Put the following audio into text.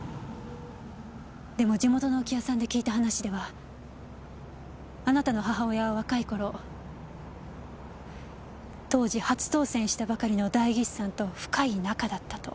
でも地元の置屋さんで聞いた話ではあなたの母親は若い頃当時初当選したばかりの代議士さんと深い仲だったと。